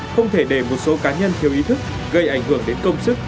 không thể để một số cá nhân thiếu ý thức gây ảnh hưởng đến công sức